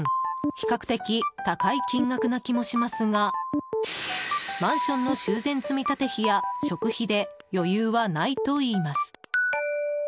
比較的高い金額な気もしますがマンションの修繕積み立て費や食費で余裕はないといいます。